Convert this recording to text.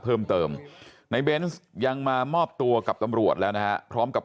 เพิ่มเติมในเบนส์ยังมามอบตัวกับตำรวจแล้วนะฮะพร้อมกับ